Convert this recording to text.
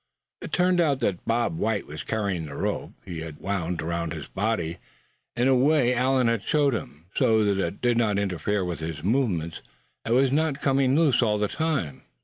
It turned out that Bob White was carrying the rope. He had it wound around his body in a way Allan had shown him, so that it did not interfere with his movements, and was not coming loose all the time.